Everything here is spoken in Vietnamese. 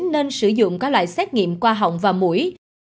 nên sử dụng các loại xét nghiệm qua họng và mũi